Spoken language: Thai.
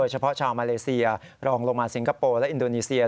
เฉพาะชาวมาเลเซียรองลงมาสิงคโปร์และอินโดนีเซีย